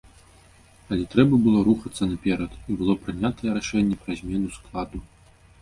Але трэба было рухацца наперад, і было прынятае рашэнне пра змену складу.